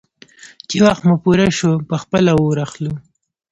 _چې وخت مو پوره شو، په خپله اور اخلو.